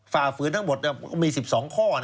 ฝ่าฝืนทั้งหมดมี๑๒ข้อ